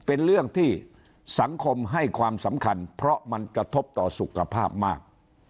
เป็นเรื่องที่สังคมให้ความสำคัญเพราะมันกระทบต่อสุขภาพมาก